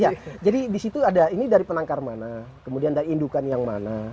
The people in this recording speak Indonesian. ya jadi di situ ada ini dari penangkar mana kemudian dari indukan yang mana